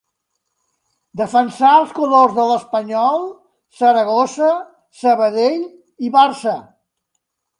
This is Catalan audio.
Defensà els colors de l'Espanyol, Saragossa, Sabadell i Barça.